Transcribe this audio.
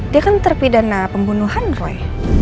dia kan terpidana pembunuhan roy